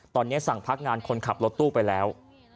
ตอนนี้สั่งพักงานคนขับรถตู้ไปแล้ว